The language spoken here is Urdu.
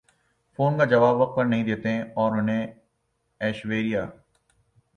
فون کا جواب وقت پر نہیں دیتیں اور انہیں ایشوریا